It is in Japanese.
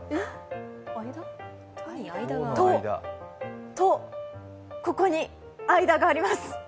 戸、戸、ここに間があります。